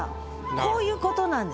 こういうことなんです。